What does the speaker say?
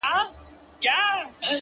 • څه به د «میني انتظار» له نامردانو کوو,